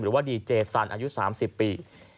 หรือว่าดีเจสันอายุ๓๐ปี